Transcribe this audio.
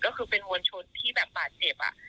ก็คือเป็นมวลชนที่แบบบาดเจ็บ